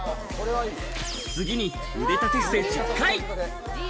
次に腕立て伏せ１０回。